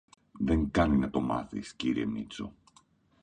Δεν κάνει να το μάθεις, κύριε Μήτσο.